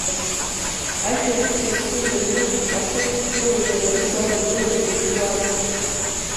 Ашәарыцаҩ иԥсы ӡаны, ахәы иқәгылаз ара ду давагыланы дыԥшуан.